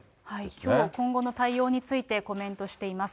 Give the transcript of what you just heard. きょう、今後の対応についてコメントしています。